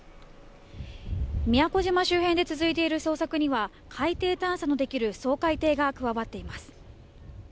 宮古島周辺で続いている捜索には海底探査のできる掃海艇が加わっています。